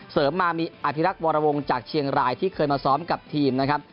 มามีอภิรักษ์วรวงจากเชียงรายที่เคยมาซ้อมกับทีมนะครับ